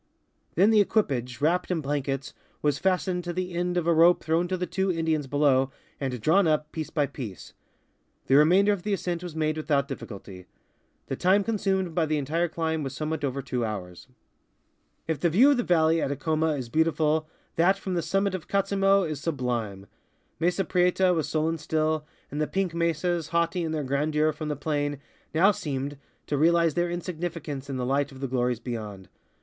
Then the equipage, wrapped in blankets, was fastened to the end of a rope throwai to the two Indians below and drawn up, piece by piece. The remainder of the ascent was made without difficulty. The time consumed by the entire climb was somewhat over two hours. If the view from the valley at Acoma is beautiful, that from the summit of Katzimo is sublime. Mesa Prieta was sullen still, and the pink mesas, haughty in their grandeur from the plain, now seemed to realize their insignificance in the light of the glories beyond.